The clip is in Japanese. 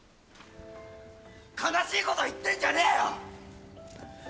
悲しいこと言ってんじゃねえよ。